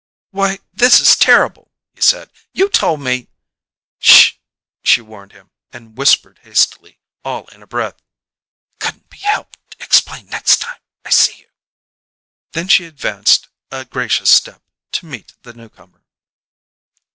"Why, this is terrible!" he said. "You told me " "Sh!" she warned him; and whispered hastily, all in a breath: "Couldn't be helped explain next time I see you." Then she advanced a gracious step to meet the newcomer.